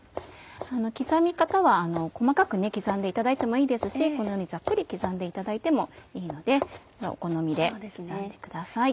刻み方は細かく刻んでいただいてもいいですしこのようにざっくり刻んでいただいてもいいのでお好みで刻んでください。